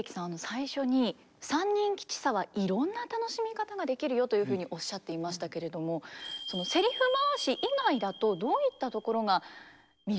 最初に「三人吉三」はいろんな楽しみ方ができるよというふうにおっしゃっていましたけれどもセリフ回し以外だとどういったところが魅力見どころだと思いますか。